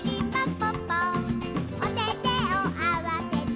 ぽっぽおててをあわせて」